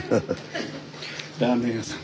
ラーメン屋さん？